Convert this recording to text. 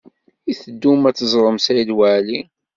I teddum ad teẓrem Saɛid Waɛli?